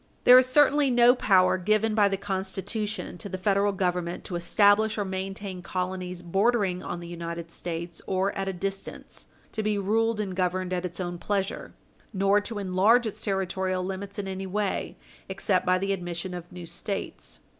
There is certainly no power given by the Constitution to the Federal Government to establish or maintain colonies bordering on the United States or at a distance to be ruled and governed at its own pleasure, nor to enlarge its territorial limits in any way except by the admission of new States.